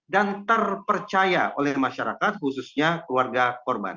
dan terpercaya oleh masyarakat khususnya keluarga korban